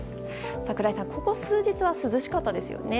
櫻井さん、ここ数日は涼しかったですね？